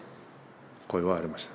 声はありました。